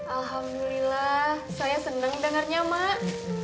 alhamdulillah saya senang dengarnya mak